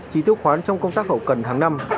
chỉ thiếu khoán trong công tác hậu cần hàng năm